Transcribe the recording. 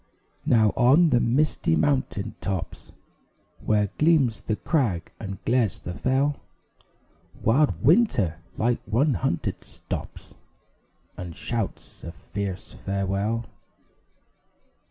Now on the misty mountain tops, Where gleams the crag and glares the fell, Wild Winter, like one hunted, stops And shouts a fierce farewell.